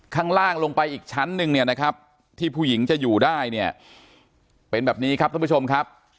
ข้างล่างลงไปอีกชั้นหนึ่งเนี่ยนะครับที่ผู้หญิงจะอยู่ได้เนี่ยเป็นแบบนี้ครับท่านผู้ชมครับ